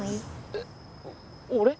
えっ俺？